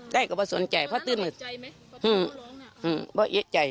ได้ก็ว่าสนใจเพราะตื่นเม็ดอืมอืมเพราะเอ๊ะใจ